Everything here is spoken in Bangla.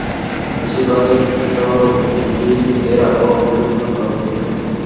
বেশির ভাগের যুক্তিটা হলো, মেসি এর আগেও অবসর ঘোষণা করে ফিরেছেন।